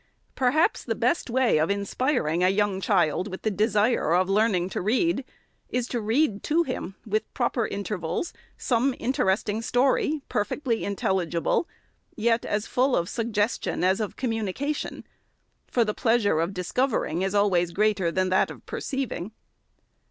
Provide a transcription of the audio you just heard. Perhaps the best way of inspiring a young child with a 518 THE SECRETARY'S desire of learning to read, is to read to him, with proper intervals, some interesting story, perfectly intelligible, yet as full of suggestion as of communication ; for the pleasure of discovering is always greater than that of perceiving.